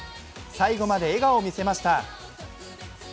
最後まで笑顔を見せました。